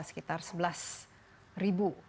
sekitar sebelas ribu